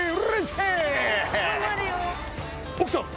奥さん！